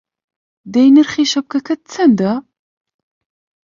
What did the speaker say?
دەی نرخی شەپکەکەت چەندە!